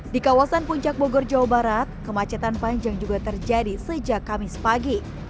di kawasan puncak bogor jawa barat kemacetan panjang juga terjadi sejak kamis pagi